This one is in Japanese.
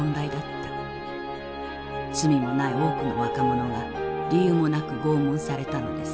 罪もない多くの若者が理由もなく拷問されたのです。